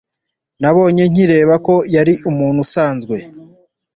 Nabonye nkireba ko yari umuntu usanzwe.